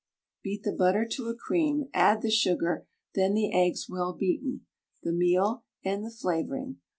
Beat the butter to a cream, add the sugar, then the eggs well beaten, the meal and the flavouring.